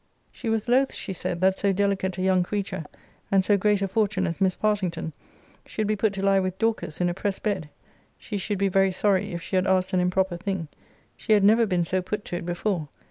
She was loth, she said, that so delicate a young creature, and so great a fortune as Miss Partington, should be put to lie with Dorcas in a press bed. She should be very sorry, if she had asked an improper thing. She had never been so put to it before.